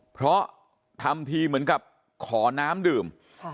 เพราะทำทีเหมือนกับขอน้ำดื่ม